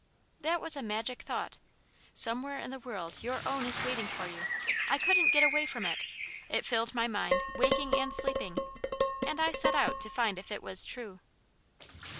That was a magic thought: Somewhere in the world your own is waiting for you. I couldn't get away from it; it filled my mind, waking and asleep. And I set out to find if it was true."